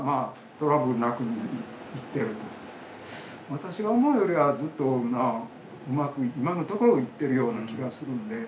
私が思うよりはずっとうまく今のところいってるような気がするんで。